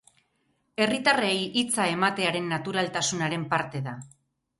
Herritarrei hitza ematearen naturaltasunaren parte da.